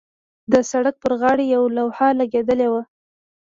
د سړک پر غاړې یوه لوحه لګېدلې وه.